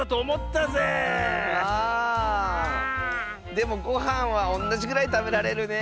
でもごはんはおんなじぐらいたべられるねえ。